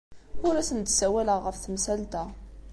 Ur asen-d-ssawaleɣ ɣef temsalt-a.